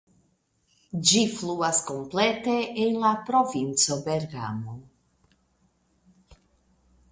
Ĝi fluas komplete en la provinco Bergamo.